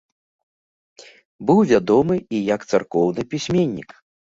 Быў вядомы і як царкоўны пісьменнік.